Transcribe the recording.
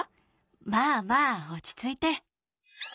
まあまあ落ち着いて。